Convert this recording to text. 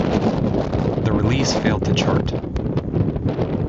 The release failed to chart.